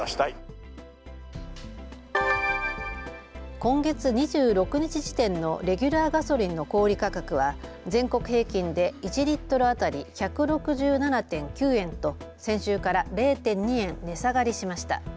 今月２６日時点のレギュラーガソリンの小売価格は全国平均で１リットル当たり１６７．９円と先週から０．２円値下がりしました。